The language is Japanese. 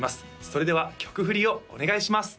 それでは曲振りをお願いします